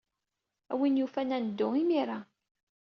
A win yufan, ad neddu imir-a.